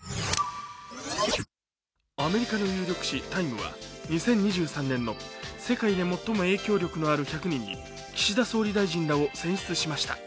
アメリカの有力誌「タイム」は２０２３年の世界で最も影響力のある１００人に岸田総理大臣らを選出しました。